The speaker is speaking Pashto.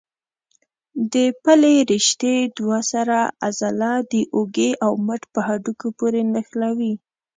د پلې رشتې دوه سره عضله د اوږې او مټ په هډوکو پورې نښلوي.